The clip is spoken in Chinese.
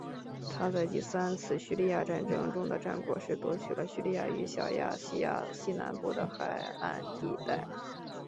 他在第三次叙利亚战争中的战果是夺取了叙利亚与小亚细亚西南部的海岸地带。